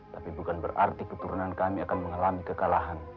tapi bukan berarti keturunan kami akan mengalami kekalahan